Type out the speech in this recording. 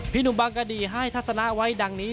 หนุ่มบางกะดีให้ทัศนะไว้ดังนี้